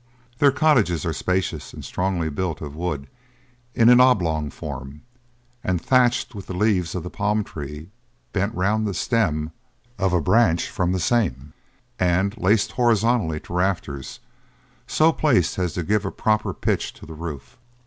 Their cottages are spacious, and strongly built of wood, in an oblong form, and thatched with the leaves of the palm tree bent round the stem of a branch from the same, and laced horizontally to rafters, so placed as to give a proper pitch to the roof.